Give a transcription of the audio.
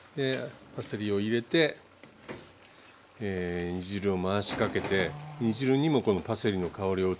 パセリを入れて煮汁を回しかけて煮汁にもこのパセリの香りを移します。